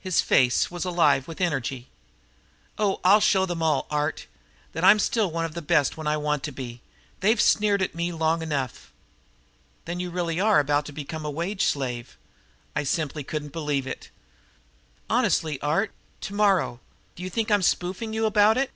His face was alive with energy. "Oh, I'll show them all, Art, that I'm still one of the best when I want to be. They've sneered at me long enough." "Then you really are about to become a wage slave?" I simply couldn't believe it. "Honestly, Art. Tomorrow. Do you think I'm spoofing you about it?"